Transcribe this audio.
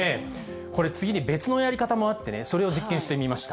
これ次に別のやり方もあってね、それを実験してみました。